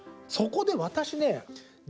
そこで私ね